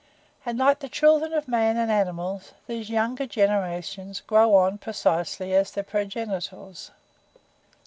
And like the children of man and animals, these younger generations grow on precisely as their progenitors!